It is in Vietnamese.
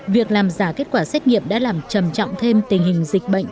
việc làm giả kết quả xét nghiệm đã làm trầm trọng thêm tình hình dịch bệnh